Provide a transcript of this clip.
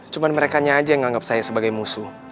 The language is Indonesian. cuma merekanya aja yang anggap saya sebagai musuh